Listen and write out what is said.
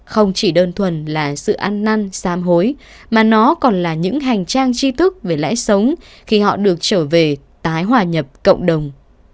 không chỉ đơn thuần là sự ăn năn xám hối mà nó còn là những hành trang chi thức về lãi sống khi họ được trở về tái hòa nhập cộng đồng